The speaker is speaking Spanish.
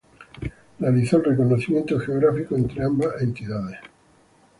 Realizó el reconocimiento geográfico entre ambas entidades.